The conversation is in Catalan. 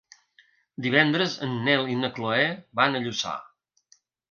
Divendres en Nel i na Chloé van a Lluçà.